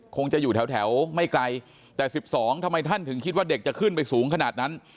คงจะอยู่แถวไม่ไกลแต่๑๒ทำไมท่านถึงคิดว่าเด็กจะขึ้นไปสูงขนาดนั้น